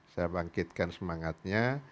saya bangkitkan semangatnya